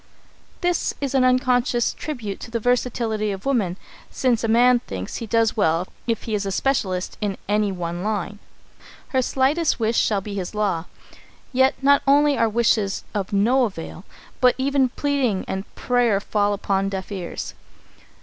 This is an unconscious tribute to the versatility of woman, since a man thinks he does well if he is a specialist in any one line. Her slightest wish shall be his law! Yet not only are wishes of no avail, but even pleading and prayer fall upon deaf ears.